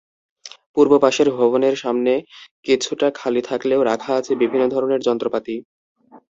পূর্ব পাশের ভবনের সামনে কিছুটা খালি থাকলেও রাখা আছে বিভিন্ন ধরনের যন্ত্রপাতি।